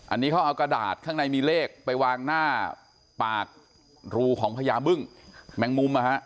อันนี้เขาเอากระดาษข้างในมีเลขไปวางหน้าปากรูของพญาบึ้งแมงมุมนะฮะ